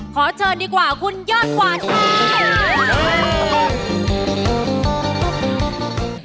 ขอเชิญดีกว่าคุณยอดกว่าค่ะ